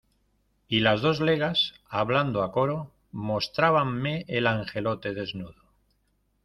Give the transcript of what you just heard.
y las dos legas, hablando a coro , mostrábanme el angelote desnudo